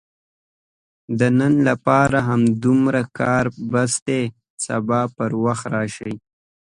د نن لپاره همدومره کار بس دی، سبا پر وخت راشئ!